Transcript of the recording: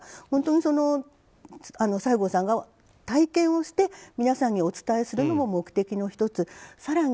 本当に西郷さんが体験をして皆さんにお伝えするのも目的の１つだと。